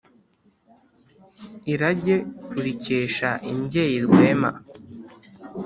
Irage urikesha imbyeyi rwema.